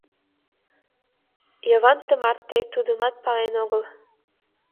Йыван тымарте тудымат пален огыл.